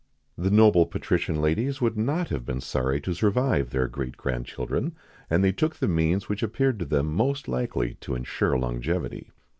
[XIX 47] The noble patrician ladies would not have been sorry to survive their great grandchildren, and they took the means which appeared to them most likely to ensure longevity.